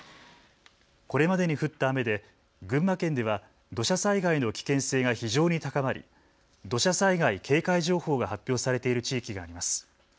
これまでに降った雨で群馬県では土砂災害の危険性が非常に高まり土砂災害警戒情報が発表されている地域があります。